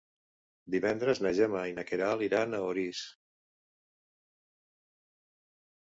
Divendres na Gemma i na Queralt iran a Orís.